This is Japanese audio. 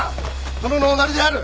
殿のおなりである！